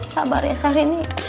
sabar ya sehari ini